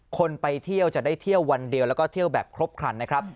คนไปเที่ยวจะได้เที่ยววันเดียวแล้วก็เที่ยวแบบครบครันนะครับ